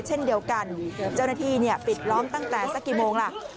เช่นเดียวกันเจ้าหน้าที่ปิดล้อมตั้งแต่สักกี่โมงล่ะ